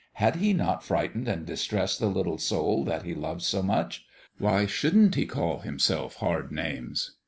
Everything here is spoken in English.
Had he not frightened and distressed the little soul that he loved so much ? Why shouldn't he call himself hard names